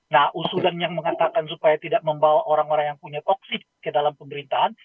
nah usulan yang mengatakan supaya tidak membawa orang orang yang punya toksik ke dalam pemerintahan